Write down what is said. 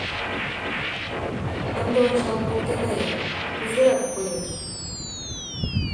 Ынде ончал колтена-ян, кузерак коеш...